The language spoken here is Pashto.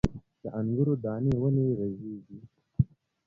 د انګورو دانې ولې رژیږي؟